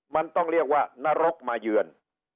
มันต้องเรียกว่านรกมาเยือน